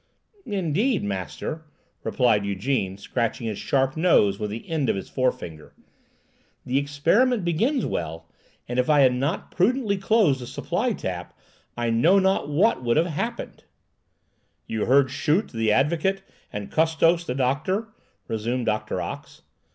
"Indeed, master," replied Ygène, scratching his sharp nose with the end of his forefinger, "the experiment begins well, and if I had not prudently closed the supply tap, I know not what would have happened." "You heard Schut, the advocate, and Custos, the doctor?" resumed Doctor Ox.